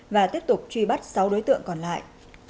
và tiếp tục truy bắt sáu đối tượng còn lại